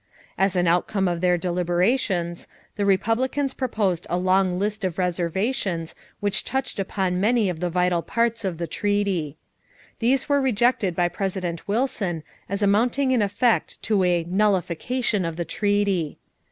As an outcome of their deliberations, the Republicans proposed a long list of reservations which touched upon many of the vital parts of the treaty. These were rejected by President Wilson as amounting in effect to a "nullification of the treaty."